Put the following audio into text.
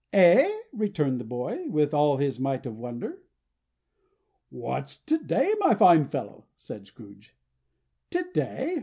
"Eh?" returned the boy, with all his might of wonder. "What's to day, my fine fellow?" said Scrooge. "To day!"